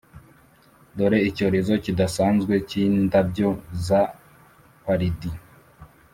dore icyorezo kidasanzwe cy'indabyo za pallid!